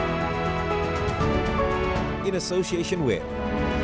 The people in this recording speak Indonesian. ini embak kebetulan bagaimana bumdes menghadapi jugabrahmenan kita teknologi dan hak kita